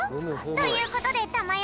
ということでたまよ